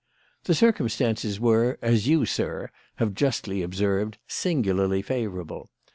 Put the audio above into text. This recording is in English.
"The circumstances were, as you, sir, have justly observed, singularly favourable.